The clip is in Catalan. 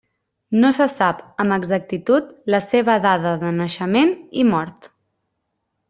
No se sap amb exactitud la seva dada de naixement i mort.